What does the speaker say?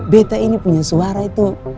bt ini punya suara itu